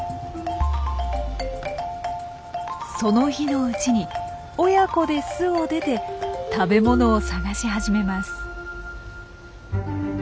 その日のうちに親子で巣を出て食べ物を探し始めます。